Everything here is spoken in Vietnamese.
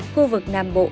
khu vực nam bộ